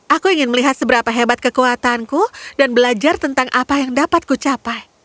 aku ingin melihat seberapa hebat kekuatanku dan belajar tentang apa yang dapat ku capai